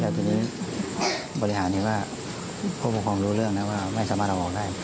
และพออยู่นี้บริหารยังไงเนี่ยว่ามีผู้ค่องรู้เรื่องนะว่าไม่สามารถบอกให้